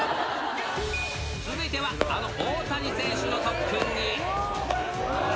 続いては、あの大谷選手の特訓に。